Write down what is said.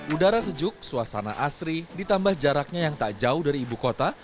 udara sejuk suasana asri ditambah jaraknya yang tak jauh dari ibu kota